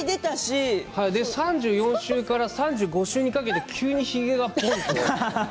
３４週から３５週にかけて急にひげがびしっと。